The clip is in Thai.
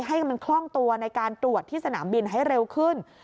ให้มันคล่องตัวในการตรวจที่สนามบินให้เร็วขึ้น